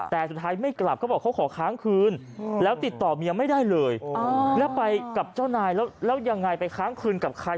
แต่สุดท้ายไม่กลับเขาบอกเขาขอค้างคืนแล้วติดต่อเมียไม่ได้เลยแล้วไปกับเจ้านายแล้วยังไงไปค้างคืนกับใคร